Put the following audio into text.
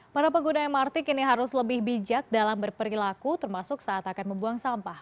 para pengguna mrt kini harus lebih bijak dalam berperilaku termasuk saat akan membuang sampah